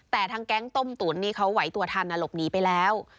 แต่ทางแก๊งต้มตุ๋นนี่เขาไหวตัวทันหลบหนีไปแล้ว